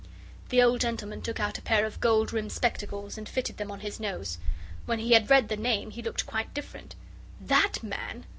The old gentleman took out a pair of gold rimmed spectacles and fitted them on his nose. When he had read the name, he looked quite different. "THAT man?